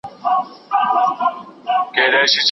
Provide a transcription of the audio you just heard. زما د سر امان دي وي لویه واکمنه